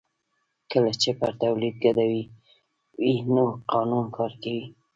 کله چې پر تولید ګډوډي وي نو قانون کار کوي